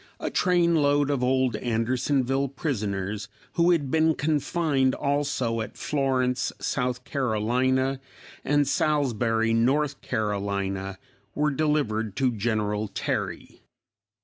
a trainload of old Andersonville prisoners who had been confined also at Florence, S. C., and Salisbury, N. C., were delivered to General Terry.